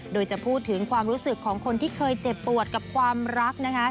โดยจะพูดถึงความรู้สึกของคนที่เคยเจ็บปวดกับความรักนะคะ